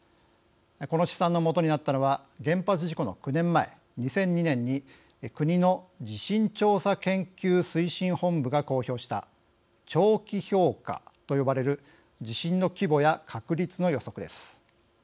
この試算の基になったのは原発事故の９年前、２００２年に国の地震調査研究推進本部が公表した長期評価と呼ばれる地震の規模や確率の予測です。